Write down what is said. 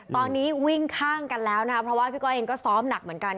ตอนนี้วิ่งข้างกันแล้วนะครับเพราะว่าพี่ก้อยเองก็ซ้อมหนักเหมือนกัน